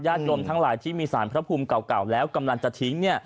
ยมทั้งหลายที่มีสารพระภูมิเก่าแล้วกำลังจะทิ้ง